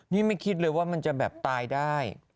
นี่ไม่คิดเลยว่ามันจะแบบตายได้